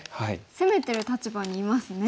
攻めてる立場にいますね。